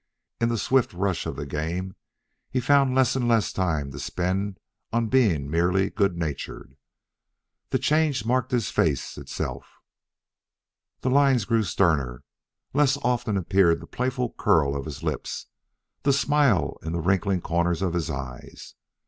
In the swift rush of the game he found less and less time to spend on being merely good natured. The change marked his face itself. The lines grew sterner. Less often appeared the playful curl of his lips, the smile in the wrinkling corners of his eyes.